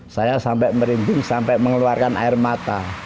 saya sampai merinding sampai mengeluarkan air mata